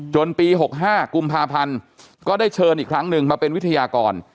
ปี๖๕กุมภาพันธ์ก็ได้เชิญอีกครั้งหนึ่งมาเป็นวิทยากร